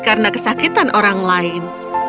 karena kesakitan orang lain